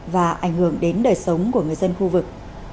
và ảnh hưởng đến đời sống của người dân khu vực